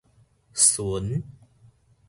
巡